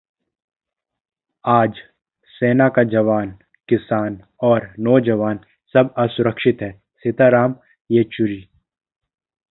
आज सेना का जवान, किसान और नौजवान सब असुरक्षित हैं: सीताराम येचुरी